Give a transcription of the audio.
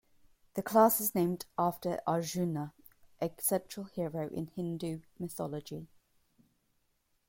The class is named after Arjuna, a central hero in Hindu mythology.